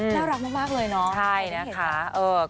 น่ารักมากเลยเนอะไม่ได้เห็น